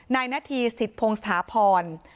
นายณหน้าที่สิทธิพงศภพร